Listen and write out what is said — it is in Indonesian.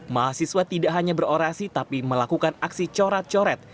mahasiswa tidak hanya berorasi tapi melakukan aksi corat coret